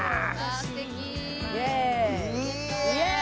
イエーイ！